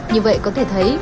như vậy có thể thấy